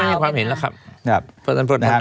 ไม่มีผู้ปรักษาก็ไม่มีความเห็นแล้วครับ